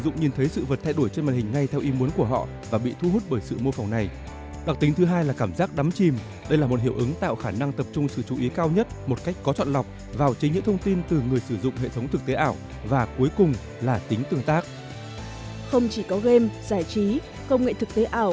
không chỉ có game giải trí công nghệ thực tế ảo